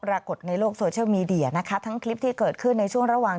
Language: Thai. ปรากฏในโลกโซเชียลมีเดียนะคะทั้งคลิปที่เกิดขึ้นในช่วงระหว่าง